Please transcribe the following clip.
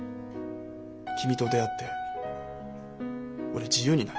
君と出会って俺自由になれた。